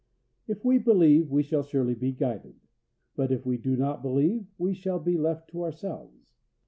If we believe, we shall surely be guided; but if we do not believe, we shall be left to ourselves.